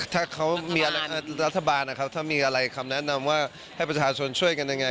ถ้ารัฐบาลถ้ามีอะไรคำแนะนำว่าให้ประชาชนช่วยกันยังไง